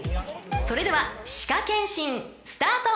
［それでは歯科検診スタート］